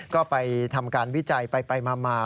ก็ไปทำการวิจัยไปมา